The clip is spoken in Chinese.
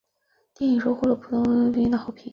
电影收获了普遍影评人的好评。